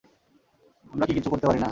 আমরা কি কিছু করতে পারি না?